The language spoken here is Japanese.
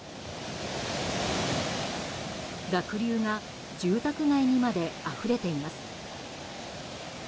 濁流が住宅街にまであふれています。